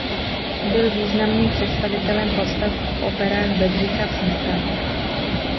Byl významným představitelem postav v operách Bedřicha Smetany.